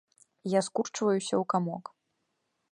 Я скурчваюся ў камок.